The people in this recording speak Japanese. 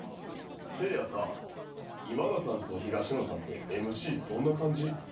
せいやさ今田さんと東野さんってＭＣどんな感じ？